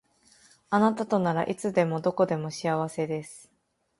あなたとならいつでもどこでも幸せです